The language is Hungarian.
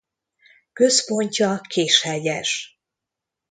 Központja Kishegyes.